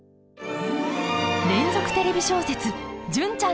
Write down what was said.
連続テレビ小説「純ちゃんの応援歌」